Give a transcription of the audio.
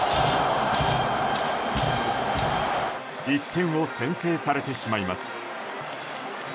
１点を先制されてしまいます。